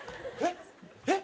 えっ？